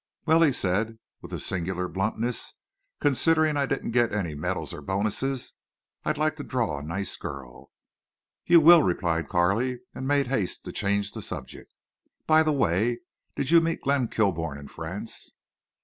"Well," he said, with a singular bluntness, "considering I didn't get any medals or bonuses, I'd like to draw a nice girl." "You will," replied Carley, and made haste to change the subject. "By the way, did you meet Glenn Kilbourne in France?"